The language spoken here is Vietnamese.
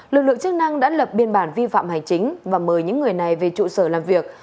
lực lượng chức năng đã lập biên bản vi phạm hành chính và mời những người này về trụ sở làm việc